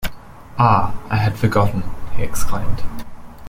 Ah, I had forgotten, he exclaimed.